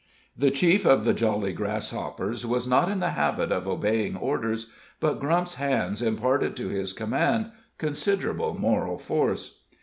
The chief of the Jolly Grasshoppers was not in the habit of obeying orders, but Grump's hands imparted to his command considerable moral force.